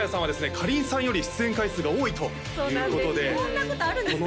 かりんさんより出演回数が多いということでそんなことあるんですか？